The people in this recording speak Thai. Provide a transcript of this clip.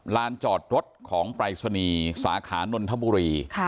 ลานจอดรถของปรายศนีย์สาขานนทบุรี